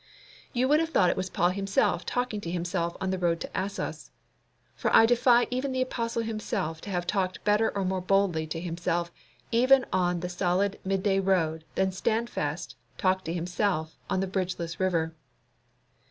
You would have thought it was Paul himself talking to himself on the road to Assos. For I defy even the apostle himself to have talked better or more boldly to himself even on the solid midday road than Standfast talked to himself in the bridgeless river.